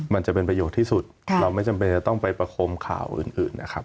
มันจะเป็นประโยชน์ที่สุดเราไม่จำเป็นจะต้องไปประคมข่าวอื่นนะครับ